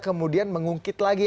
kemudian mengungkit lagi